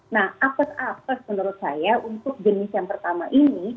nah up to up to menurut saya untuk jenis yang pertama ini